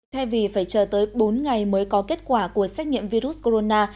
thay vì phải chờ tới bốn ngày mới có kết quả của xét nghiệm virus corona